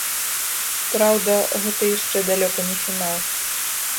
Праўда, гэта яшчэ далёка не фінал.